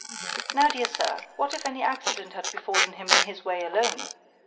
Now, dear Sir, what if any accident had befallen him in his way alone!